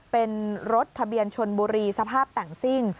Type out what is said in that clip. เป็นรถทะเบียนชนบุรีสภาพแต่งซิ่ง